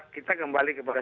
kita kembali kepada